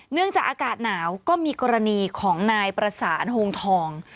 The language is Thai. เนื่องจากอากาศหนาวก็มีกรณีของนายประสานโฮงทอง